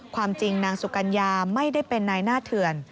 ความจริงนางสุกัญญาไม่ได้เป็นนายหน้าเถื่อน